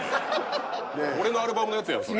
俺のアルバムのやつやんそれ。